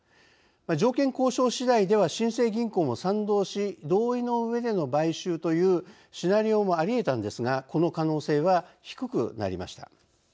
条件交渉しだいでは新生銀行も賛同し同意の上での買収というシナリオもありえたんですがこの可能性は低くなりました。